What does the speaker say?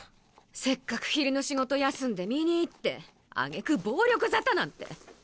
せっかく昼の仕事休んで見に行ってあげく暴力沙汰なんて！